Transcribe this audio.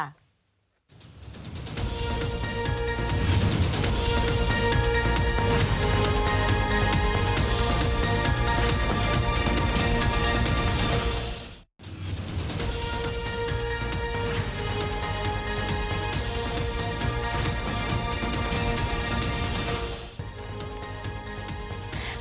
เพลง